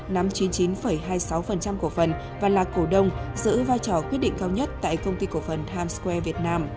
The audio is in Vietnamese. nắm chín mươi chín hai mươi sáu cổ phần và là cổ đông giữ vai trò quyết định cao nhất tại công ty cổ phần times square việt nam